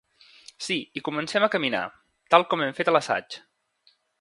Sí, i comencem a caminar, tal com hem fet a l'assaig.